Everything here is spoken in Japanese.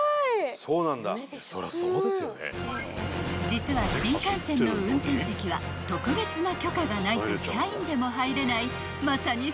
［実は新幹線の運転席は特別な許可がないと社員でも入れないまさに］